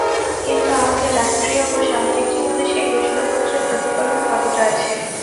কিন্তু আমাদের রাষ্ট্রীয় ও সামাজিক জীবনে সেই ঘোষণাপত্রের প্রতিফলন কতটা আছে?